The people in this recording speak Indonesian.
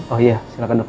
oh iya silahkan dokter